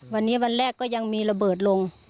วันนี้วันแรกก็ยังมีระเบิดลง